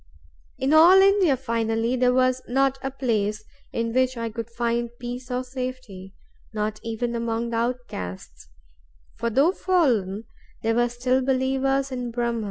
In all India, finally, there was not a place in which I could find peace or safety—not even among the outcasts, for, though fallen, they were still believers in Brahm.